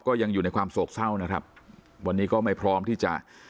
ก็ยังอยู่ในความโศกเศร้านะครับวันนี้ก็ไม่พร้อมที่จะ